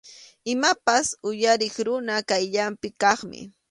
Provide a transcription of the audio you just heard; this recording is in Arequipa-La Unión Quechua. Imapas uyariq runap qayllanpi kaqmi.